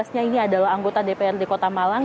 dua belas nya ini adalah anggota dprd kota malang